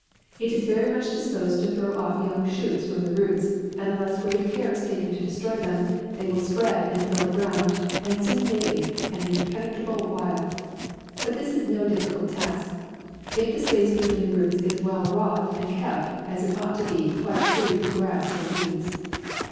It is very much disposed to throw off young shoots from the roots, and unless great care is taken to destroy them, they will spread, and fill the ground, and soon make an impenetrable wild. But this is no difficult task, if the space be tween the rows is well wrought, and kept, as it ought to be, quite free from grass or weeds.